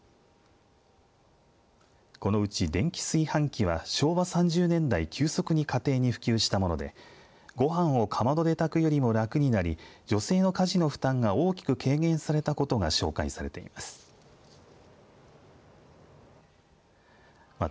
このうち電気炊飯器は昭和３０年代急速に家庭に普及したものでごはんをかまどで炊くよりも楽になり女性の家事の負担が大きく軽減されたことが紹介されています。